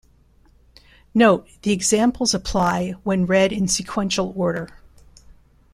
Note: The examples apply when read in sequential order.